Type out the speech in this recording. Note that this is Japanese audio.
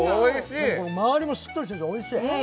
周りもしっかりしてて、おいしい。